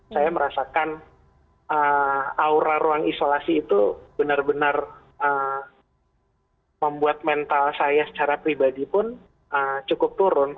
saya merasakan aura ruang isolasi itu benar benar membuat mental saya secara pribadi pun cukup turun